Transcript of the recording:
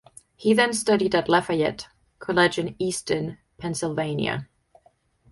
He then studied at Lafayette College in Easton, Pennsylvania.